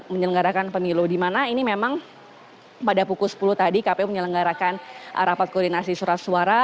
dan menyelenggarakan pemilu di mana ini memang pada pukul sepuluh tadi kpu menyelenggarakan rapat koordinasi surat suara